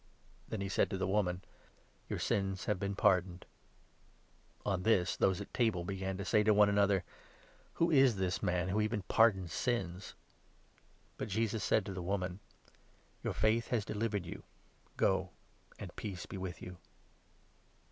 Then he said to the woman :" Your sins have been pardoned. " 48 On this, those at table began to say to one another : 49 " Who is this man who even pardons sins ?" But Jesus said to the woman : 50 " Your faith has delivered you ; go, and peace be with you."